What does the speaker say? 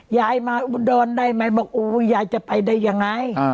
ยายมาอุดดอนได้ไหมบอกอู้ยยายจะไปได้ยังไงอ่า